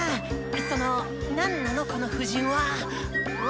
その何なのこの布陣は⁉お？